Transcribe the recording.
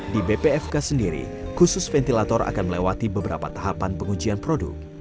di bpfk sendiri khusus ventilator akan melewati beberapa tahapan pengujian produk